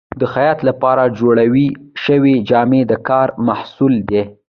د خیاط لپاره جوړې شوې جامې د کار محصول دي.